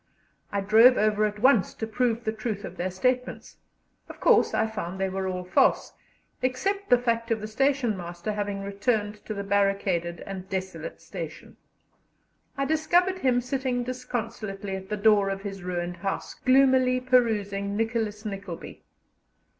I drove over at once to prove the truth of their statements; of course, I found they were all false, except the fact of the station master having returned to the barricaded and desolate station. I discovered him sitting disconsolately at the door of his ruined house, gloomily perusing "Nicholas Nickleby."